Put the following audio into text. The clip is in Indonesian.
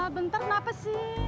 ini tis yang ketinggalan tis